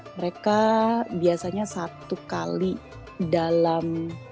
mereka biasanya satu kali dalam